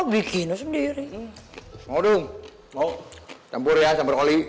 bikin sendiri mau campur ya